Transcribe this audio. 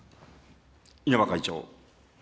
稲葉会長。